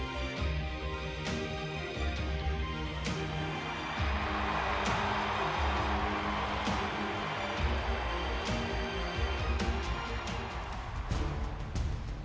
yang membuat indonesia mampu